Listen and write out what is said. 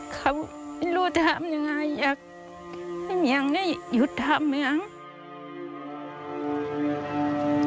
เขารู้ทำอย่างไรอยากให้แม่งให้หยุดทำอย่างไร